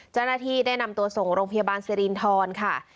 เจ้าหน้าที่ได้นำตัวส่งโรงพยาบาลสิรินทรค่ะ